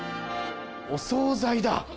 お総菜だ！